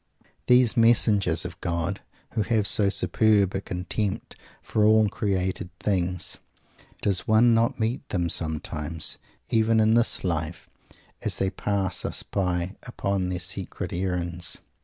These "messengers" of God, who have so superb a contempt for all created things, does one not meet them, sometimes, even in this life, as they pass us by upon their secret errands?